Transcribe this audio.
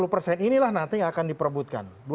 dua puluh persen inilah nanti akan diperbutkan